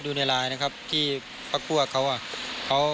ดูในไลน์นะครับที่พักพวกเขา